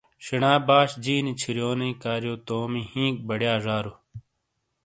شینا باش جِینی چھُریونئی کاریو تومی ہِینک بَڑیا زارو۔